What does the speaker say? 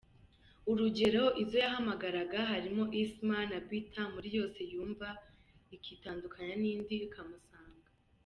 Urugero izo yahamagaraga harimo , Isma na Better, buri yose yumva ikitandukanya n’indi ikamusanga.